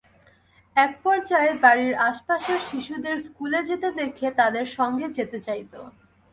একপর্যায়ে বাড়ির আশপাশের শিশুদের স্কুলে যেতে দেখে তাদের সঙ্গে যেতে চাইত।